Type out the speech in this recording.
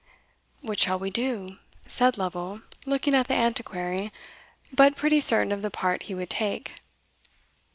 "What shall we do?" said Lovel, looking at the Antiquary, but pretty certain of the part he would take.